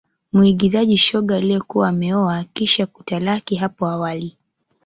Muigizaji shoga aliyekuwa ameoa kisha kutalaki hapo awali